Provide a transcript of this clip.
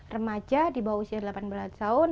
remaja di bawah usia delapan belas tahun